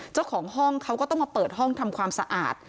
เจ้าของห้องเขาก็ต้องมาเปิดห้องทำความสะอาด